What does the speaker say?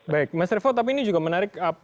baik mas revo tapi ini juga menarik